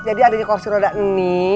jadi adanya kursi roda ini